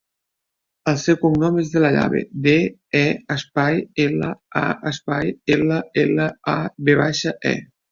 El seu cognom és De La Llave: de, e, espai, ela, a, espai, ela, ela, a, ve baixa, e.